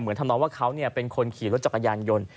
เหมือนทำนองว่าเขาเนี่ยเป็นคนขี่รถจักรยานยนต์